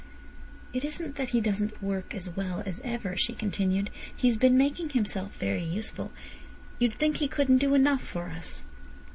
"It isn't that he doesn't work as well as ever," she continued. "He's been making himself very useful. You'd think he couldn't do enough for us."